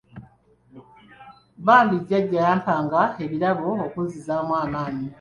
Bambi Jjajja yampanga ebirabo okunzizaamu amaanyi.